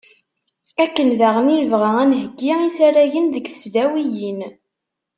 Akken daɣen i nebɣa ad nheggi isaragen deg tesdawiyin.